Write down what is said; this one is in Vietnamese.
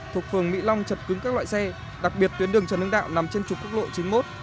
thuộc phường mỹ long chật cứng các loại xe đặc biệt tuyến đường trần hưng đạo nằm trên trục quốc lộ chín mươi một